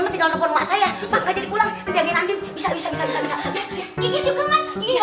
tidak tidak tidak